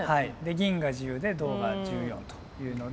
銀が１０で銅が１４というので。